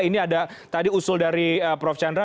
ini ada tadi usul dari prof chandra